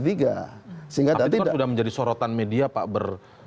tapi itu kan sudah menjadi sorotan media pak ber